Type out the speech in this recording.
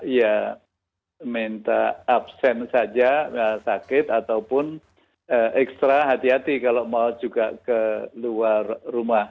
ya minta absen saja sakit ataupun ekstra hati hati kalau mau juga ke luar rumah